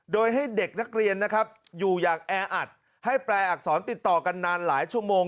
โดยให้เด็กนักเรียนนะครับอยู่อย่างแออัดให้แปลอักษรติดต่อกันนานหลายชั่วโมง